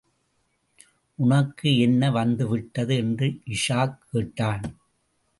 உனக்கு என்ன வந்துவிட்டது? என்று இஷாக் கேட்டான்.